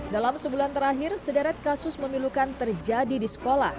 dalam sebulan terakhir sederet kasus memilukan terjadi di sekolah